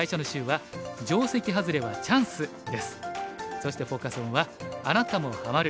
そしてフォーカス・オンは「あなたもハマる！